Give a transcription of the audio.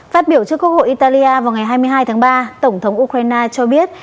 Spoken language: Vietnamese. phát biểu trước quốc hội italia vào ngày hai mươi hai tháng ba tổng thống ukraine cho biết